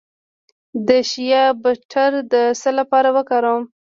د شیا بټر د څه لپاره وکاروم؟